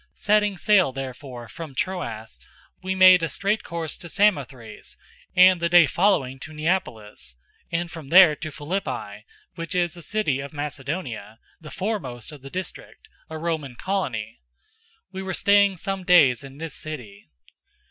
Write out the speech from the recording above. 016:011 Setting sail therefore from Troas, we made a straight course to Samothrace, and the day following to Neapolis; 016:012 and from there to Philippi, which is a city of Macedonia, the foremost of the district, a Roman colony. We were staying some days in this city.